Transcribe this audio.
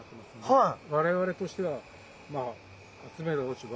はい。